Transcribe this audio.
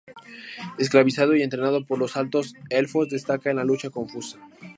Esclavizado y entrenado por los Altos Elfos, destaca en la lucha confusa.